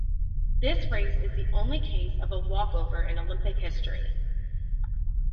This race is the only case of a walkover in Olympic history.